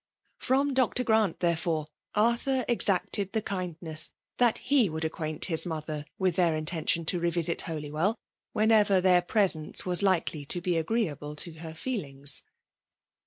FVom I>r. Grant, therefore, Arthur exacted the kindness that he would acquaint his mother with their intention to revisit Holywell* when* ever their presence was likely to be agreeable to her feelings.